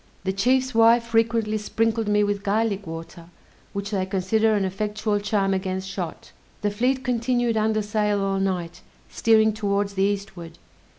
The chief's wife frequently sprinkled me with garlic water, which they consider an effectual charm against shot. The fleet continued under sail all night, steering towards the eastward.